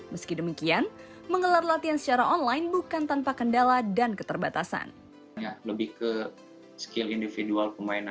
meski demikian menggelar latihan tidak bisa diperlukan